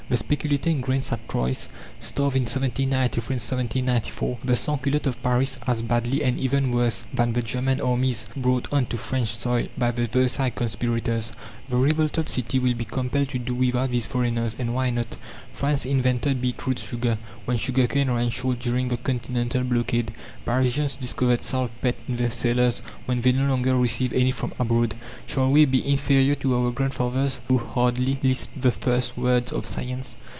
The speculator in grains at Troyes starved in 1793 and 1794 the sansculottes of Paris as badly, and even worse, than the German armies brought on to French soil by the Versailles conspirators. The revolted city will be compelled to do without these "foreigners," and why not? France invented beet root sugar when sugar cane ran short during the continental blockade. Parisians discovered saltpetre in their cellars when they no longer received any from abroad. Shall we be inferior to our grandfathers, who hardly lisped the first words of science?